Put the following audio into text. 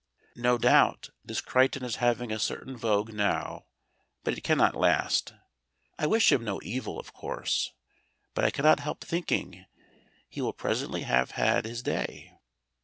No doubt this Crichton is having a certain vogue now, but it cannot last. I wish him no evil, of course, but I cannot help thinking he will presently have had his day.